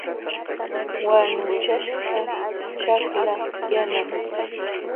Wanuchaśhqa ćhakla yanam.